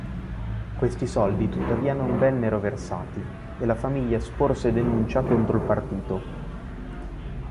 Questi soldi tuttavia non vennero versati, e la famiglia sporse denuncia contro il partito.